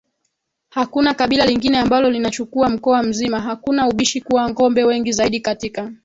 hakuna kabila lingine ambalo linachukua mkoa mzima hakuna ubishi kuwa ngombe wengi zaidi katika